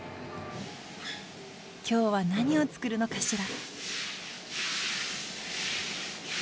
今日は何を作るのかしら？